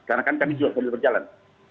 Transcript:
karena kan kami juga selalu berjalan